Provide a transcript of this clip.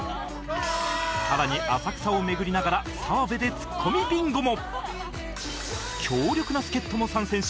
さらに浅草を巡りながら澤部でツッコミビンゴも